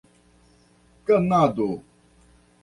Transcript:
kanado